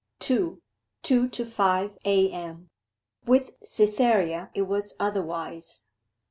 2. TWO TO FIVE A.M. With Cytherea it was otherwise.